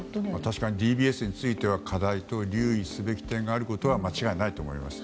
確かにＤＢＳについては課題と留意すべき点があることは間違いないと思います。